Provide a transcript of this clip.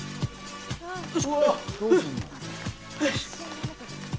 よし！